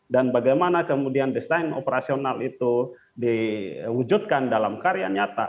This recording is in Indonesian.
dan bagaimana kemudian desain operasional itu diwujudkan dalam karya nyata